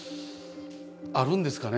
あるんですかね？